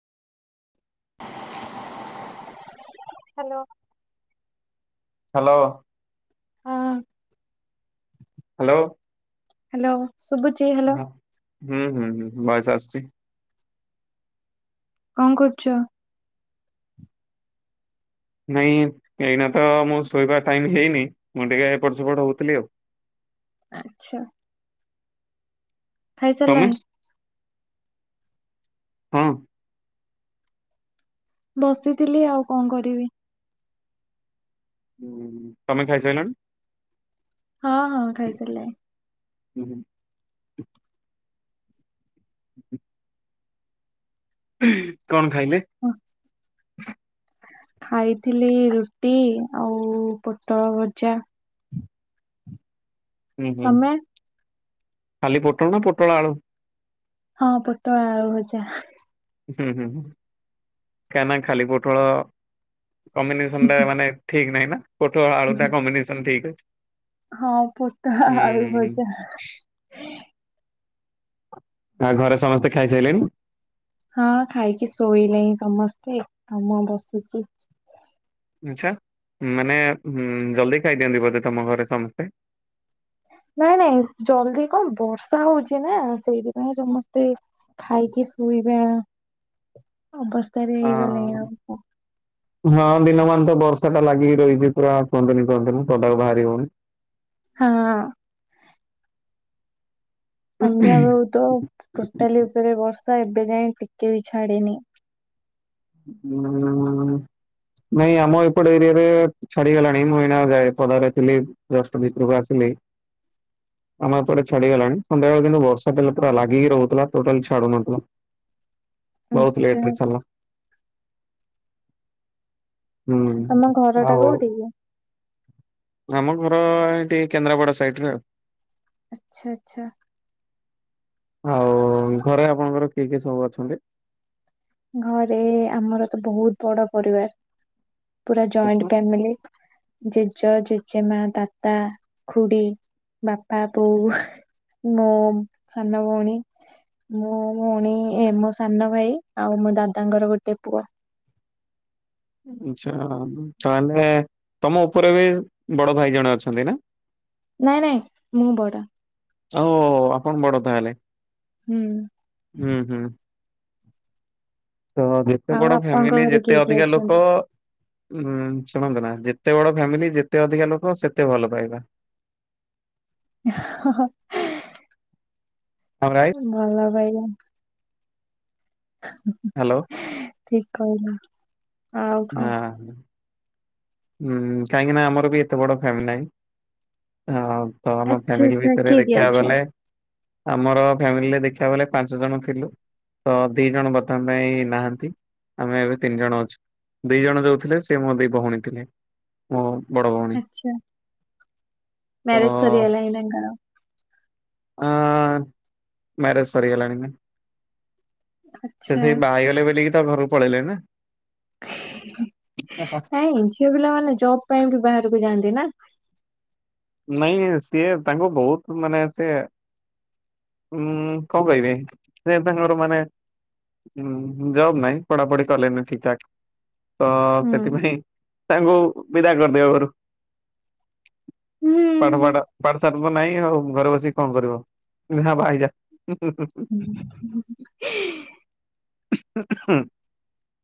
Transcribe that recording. [unintelligible] Hello hello. ହଁ। Hello. Hello ସୁଭୁଚି। ହ ହୁଁ ହୁଁ ହଁ ବାସ୍ ଆସଛି। କଣ କରୁଛ? ନାଇଁ ଏଇନା ତ ମୁଁ ଶୋଇବା ଟାଇମ୍ ହେଇନି ମୁଁ ଟିକେ ଏପଟ ସେପଟ ହଉଥିଲି ଆଉ। ଆଚ୍ଛା। ତମେ ଖାଇସାରିଲାଣି? ହଁ। ବସିଥିଲି ଆଉ କଣ କରିବି। ହୁଁ ତମେ ଖାଇସାରିଲଣି? ହଁ ହଁ ଖାଇସାରିଥିଲେ। ହୁଁ ହୁଁ ହୁଁ କଣ ଖାଇଲେ? ହଁ। ଖାଇଥିଲି ରୁଟି ଆଉ ପୋଟଳ ଭଜା। ହୁଁ ହୁଁ ତମେ? ଖାଲି ପୋଟଳ ନା ପୋଟଳ ଆଳୁ। ହଁ ପୋଟଳ ଆଳୁ ଭଜା। ହୁଁ ହୁଁ ଖାନା ଖାଲି ପୋଟଳ। କମ୍ବିନେସନ ଟା ମାନେ ଠିକ୍ ନାହିଁ ନା ପୋଟଳ ଆଳୁ ଟା କମ୍ବିନେସନ ଠିକ୍ ଅଛି। ହଁ ପୋଟା ଆଳୁ ହୁଁ ଭଜା। ଆ ଘରେ ସମସ୍ତେ ଖାଇସାରିଲେଣି? ହଁ ଖାଇକି ଶୋଇଲେଣିିଁ ସମସ୍ତେ ତ ମୁଁ ବସିଛି। ଆଚ୍ଛା ମାନେ ଜଲ୍ଦି ଖାଇଦିଅନ୍ତି ବୋଧେ ତମ ଘରେ ସମସ୍ତେ। ନାଇଁ ନାଇଁ ଜଲ୍ଦି କଣ ବର୍ଷା ହଉଛି ନା ସେଇଥିପାଇଁ ସମସ୍ତେ ଖାଇକି ଶୋଇବା ଅବସ୍ଥାରେ ହଁ ହେଇଗଲାଣି ଆଉ। ହଁ ଦିନମାନ ତ ବର୍ଷା ଟା ଲାଗିକି ରହିଛି ପୁରା କୁହନ୍ତୁନି କୁହନ୍ତୁନି ପଦାକୁ ବାହାରି ହଉନି। ହଁ। ସନ୍ଧ୍ୟା ବେଳୁ ତ ଟୋଟାଲି ଉପରେ ବର୍ଷା ଏବେ ଯାଇଏ ଟିକେ ବି ଛାଡିନି। ନାଇଁ ଆମ ଏପଟ ଏରିଆରେ ଛାଡିଗଲାଣି ମୁଁ ଏଇନା ଯାଏ ପଦାରେ ଥିଲି ଦଶ ଭିତରକୁ ଆସିଲି। ଆମ ଏପଟେ ଛାଡିଗଲାଣି ସନ୍ଧ୍ୟାବେଳ କିନ୍ତୁ ବର୍ଷା ହେଲା ପୁରା ଲଗାଗିକି ରହୁଥିଲା ଟୋଟାଲି ଛାଡୁନଥିଲା। ବହୁତ ଆଚ୍ଛା ଲେଟରେ ଆଚ୍ଛା। ଛାଡିଲା। ତମ ହୁଁ ଘର ଟା ଆଉ କୋଉଠି କି? ଆମ ଘର ଏଇଠି କେନ୍ଦ୍ରାପଡ଼ା ସାଇଡ ରେ ଆଉ। ଆଚ୍ଛା ଆଚ୍ଛା। ଆଉ ଘରେ ଆପଣଙ୍କର କିଏ କିଏ ସବୁ ଅଛନ୍ତି? ଘରେ ଆମର ତ ବହୁତ ବଡ ପରିବାର। ପୁରା ଜାଇଣ୍ଟ ଫ୍ୟାମିଲି। ଜେଜ ଜେଜେମା ଦାଦା ଖୁଡି ବାପା ବୋଉ। ମୋ ସାନ ଭଉଣୀ ମୋ ଭଉଣୀ ମୋ ସାନ ଭାଇ। ଆଉ ମୋ ଦାଦାଙ୍କର ଗୋଟେ ପୁଅ। ଆଚ୍ଛା ତାହଲେ। ତମ ଉପରେ ବି ବଡ ଭାଇ ଜଣେ ଅଛନ୍ତି ନା। ନାଇଁ ନାଇଁ ମୁଁ ବଡ। ଆଉ ଆପଣ ବଡ ତାହେଲେ ହୁଁ ହୁଁ ହୁଁ। ତ ଯେତେ ଆଉ ବଡ ଆପଣଙ୍କ ଫ୍ୟାମିଲି ଘରେ ଯେତେ କିଏ କିଏ ଅଧିକା ଲୋକ। ଅଛନ୍ତି? ଉ ଶୁଣନ୍ତୁ ନା ଯେତେ ବଡ ଫ୍ୟାମିଲି ଯେତେ ଅଧିକା ଲୋକ ସେତେ ଭଲ ପାଇବା। ହଁ-ହଁ। ଆମ ଘର ଆଇ। ଭଲ ପାଇବା। ହଁ। ହ୍ୟାଲୋ ଠିକ କହୁନ। ଅଁ ହଁ। ହୁଁ କାହିଁକି ନା ଆମର ବି ଏତେ ବଡ ଫ୍ୟାମିଲି ନାହିଁ। ତ ଆମ ଆଚ୍ଛା ଫ୍ୟାମିଲି ଆଚ୍ଛା ଭିତରେ କିଏ କିଏ ଦେଖିବାକୁ ଅଛ? ଗଲେ। ଆମର ଫ୍ୟାମିଲିରେ ଦେଖିବା ବେଲେ ପାଞ୍ଚ ଜଣ ଥିଲୁ। ତ ଦି ଜଣ ବର୍ତ୍ତମାନ ପାଇଁ ନାହାନ୍ତି ଆମେ ଏବେ ତିନି ଜଣ ଅଛୁ। ଦି ଜଣ ଯୋଉଥିଲେ ସେ ମୋ ଦି ଭଉଣୀ ଥିଲେ। ମୋ ବଡ଼ ଭଉଣୀ। ଆଛା ତ ମ୍ୟାରେଜ ସରିଗଲାଣି ତାଙ୍କର। ଅଁ ମ୍ୟାରଜ ସରି ଗଲାଣି। ସିଏ ଆଚ୍ଛା। ସେଇ ବାହା ହେଇଗଲେ ବୋଲିକି ତ ଘରକୁ ପଳେଇଲେ ନା। ନାଇଁ ଝିଅ ପିଲାମାନେ ଜବ ପାଇଁ ବି ବାହାରକୁ ଯାଆନ୍ତି ନା। ନାଇଁ ସିଏ ତାଙ୍କୁ ବହୁତ ମାନେ ସିଏ। ଉଁ କଁ କହିବି ସେ ତାଙ୍କର ମାନେ। ହୁଁ ଜବ୍ ନାଇଁ ପଢାପଢି କଲିନି ଠିକ୍ ଠାକ୍। ତ ହୁଁ। ସେଥିପାଇଁ ତାଙ୍କୁ ବିଦାୟ କରିଦିଅ ଘରୁ। ହୁଁ। ପାଠପାଠ ପାଠ ସାଠ ତ ନାହିଁ ଆଉ ଘରେ ବସିକି କଣ କରିବ ହଁ ଭାଇ ଯାହା ହୁଁ। [inaudible]